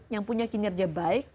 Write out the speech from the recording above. yang punya kinerja baik